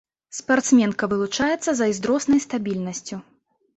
Спартсменка вылучаецца зайздроснай стабільнасцю.